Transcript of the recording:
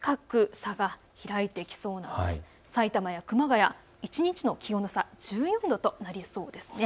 さいたまや熊谷、一日の気温の差、１４度となりそうです。